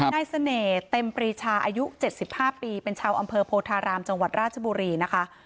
เสน่ห์เต็มปรีชาอายุ๗๕ปีเป็นชาวอำเภอโพธารามจังหวัดราชบุรีนะคะ